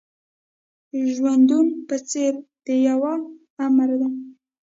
ژوندون په څېر د يوه آمر دی.